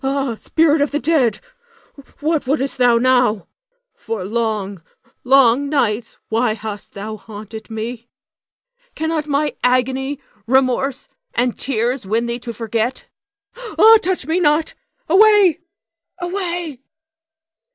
Ha! spirit of the dead, what wouldst thou now? For long, long nights why hast thou haunted me? Cannot my agony, remorse, and tears win thee to forget? Ah, touch me not! Away! away!